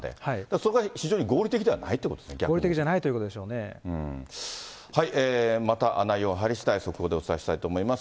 そこは非常に合理的ではないとい合理的ではないということでまた内容が入りしだい、速報でお伝えしたいと思います。